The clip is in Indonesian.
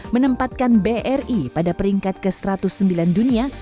menempatkan bri pada peringkat ke satu ratus sembilan dunia